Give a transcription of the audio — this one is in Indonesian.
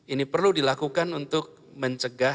ini perlu dilakukan untuk mencegah